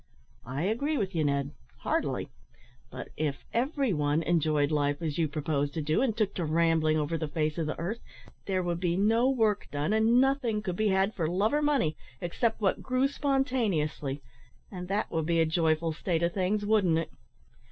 "I agree with you, Ned, heartily; but if every one enjoyed life as you propose to do, and took to rambling over the face of the earth, there would be no work done, and nothing could be had for love or money except what grew spontaneously; and that would be a joyful state of things, wouldn't it?"